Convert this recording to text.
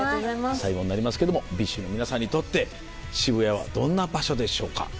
最後になりますけどもＢｉＳＨの皆さんにとって渋谷はどんな場所でしょうか？